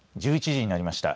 １１時になりました。